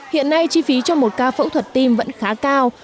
hiện nay chi phí cho một ca phẫu thuật tim vẫn khá cao